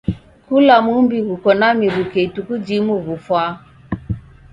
Kula mumbi ghuko na miruke ituku jimu ghufwaa.